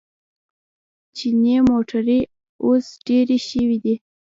چیني موټرې اوس ډېرې شوې دي.